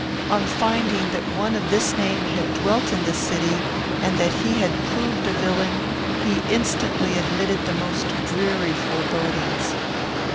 On finding that one of this name had dwelt in this city, and that he had proved a villain, he instantly admitted the most dreary forebodings.